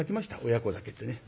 「親子酒」ってね。